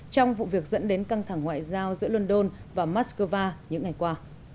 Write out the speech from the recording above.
trong vụ việc dẫn đến căng thẳng ngoại giao giữa london và moscow những ngày qua